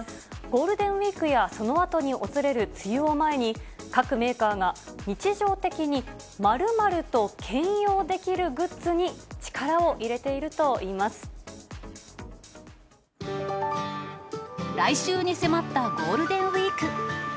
ゴールデンウィークやそのあとに訪れる梅雨を前に、各メーカーが日常的に○○と兼用できるグッズに力を入れていると来週に迫ったゴールデンウィーク。